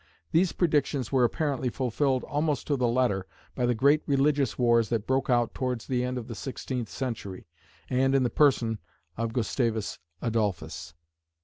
These predictions were apparently fulfilled almost to the letter by the great religious wars that broke out towards the end of the sixteenth century, and in the person of Gustavus Adolphus.